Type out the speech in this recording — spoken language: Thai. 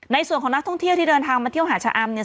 ในส่วนของนักท่องเที่ยวที่เดินทางมาเที่ยวหาชะอำเนี่ย